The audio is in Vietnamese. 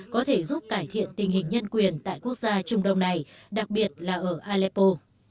có thể giúp cải thiện tình hình nhân quyền tại quốc gia trung đông này đặc biệt là ở aleppo